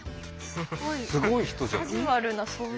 すごい人じゃん。